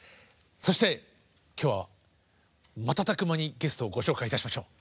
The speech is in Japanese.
そして今日は瞬く間にゲストをご紹介いたしましょう。